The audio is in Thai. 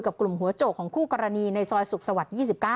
กลุ่มหัวโจกของคู่กรณีในซอยสุขสวรรค์๒๙